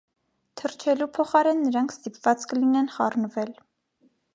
Թռչելու փոխարեն նրանք ստիպված կլինեն խառնվել։